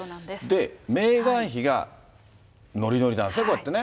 で、メーガン妃がノリノリなんですね、こうやって。